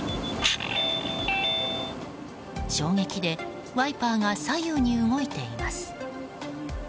衝撃でワイパーが左右に動いています。